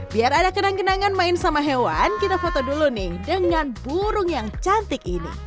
biar ada kenang kenangan main sama hewan kita foto dulu nih dengan burung yang cantik ini